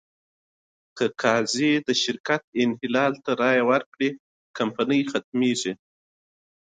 که قاضي د شرکت انحلال ته رایه ورکړي، کمپنۍ ختمېږي.